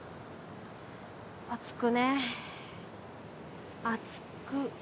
熱くねえ熱く。